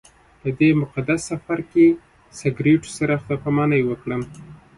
په دې مقدس سفر کې سګرټو سره خدای پاماني وکړم.